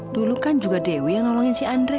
dulu kan juga dewi yang nolongin si andre